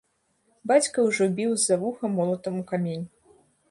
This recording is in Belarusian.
Бацька ўжо біў з-за вуха молатам у камень.